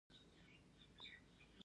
زده کړه د پرمختګ لاره خلاصوي.